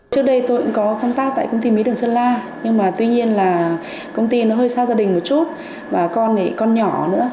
trước đây tôi cũng có công tác tại công ty mía đường sơn la nhưng mà tuy nhiên là công ty nó hơi xa gia đình một chút và con thì con nhỏ nữa